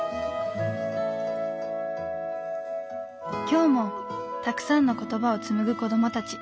今日もたくさんの言葉を紡ぐ子どもたち。